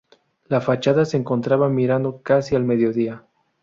La fachada se encontraba mirando casi al mediodía.